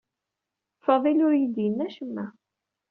Faḍil ur iyi-d-yenni acemma.